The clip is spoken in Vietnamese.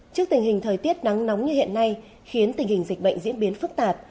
trước tình hình thời tiết nắng nóng như hiện nay khiến tình hình dịch bệnh diễn biến phức tạp